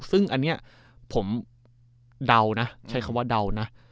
ซึ่งอันนี้ผมเดานะใช้คำว่าเดานะ